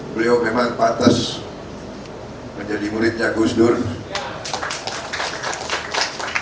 beliau memang patas menjadi muridnya gus durn